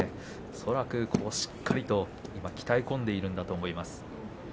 恐らくしっかりと鍛え込んでいるんだと思います。